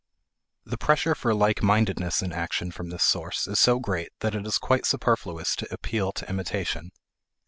The pressure for likemindedness in action from this source is so great that it is quite superfluous to appeal to imitation.